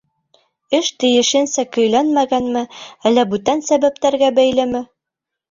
Эш тейешенсә көйләнмәгәнме, әллә бүтән сәбәптәргә бәйлеме?